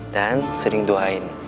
dan sering doain